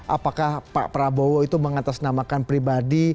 apakah pak prabowo itu mengatasnamakan pribadi